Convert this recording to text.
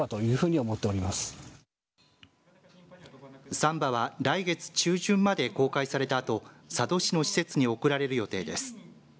３羽は来月中旬まで公開されたあと佐渡市の施設に送られる予定です。